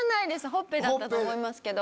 ほっぺだったと思いますけど。